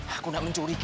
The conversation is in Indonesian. aku gak mencuri kay